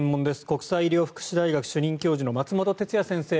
国際医療福祉大学主任教授の松本哲哉先生